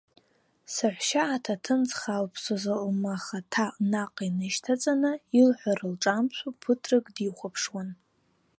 Саҳәшьа аҭаҭын зхалԥсоз лмахаҭа наҟ инышьҭаҵаны, илҳәара лҿамшәо, ԥыҭрак дихәаԥшуан.